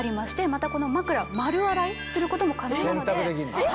またこの枕丸洗いすることも可能なので。